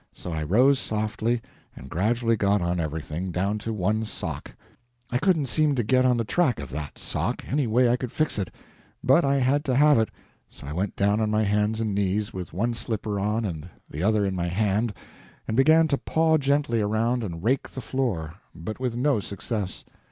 So I rose softly, and gradually got on everything down to one sock. I couldn't seem to get on the track of that sock, any way I could fix it. But I had to have it; so I went down on my hands and knees, with one slipper on and the other in my hand, and began to paw gently around and rake the floor, but with no success.